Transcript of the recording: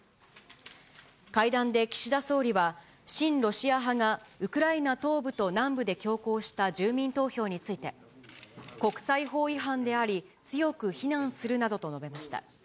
会談で岸田総理は、親ロシア派がウクライナ東部と南部で強行した住民投票について、国際法違反であり、強く非難するなどと述べました。